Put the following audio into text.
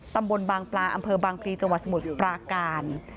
ตำบลบางปลาอำเภอบางพลีจังหวัดสมุทรปราการ